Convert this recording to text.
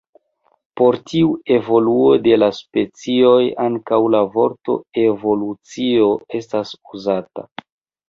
Por tiu evoluo de la specioj ankaŭ la vorto "evolucio" estas uzata.